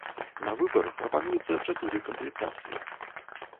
На выбар прапануецца чатыры камплектацыі.